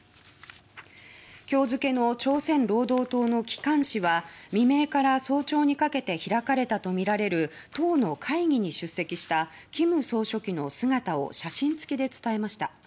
今日付けの朝鮮労働党の機関紙は未明から早朝にかけて開かれたとみられる党の会議に出席した金総書記の姿を写真付きで伝えました。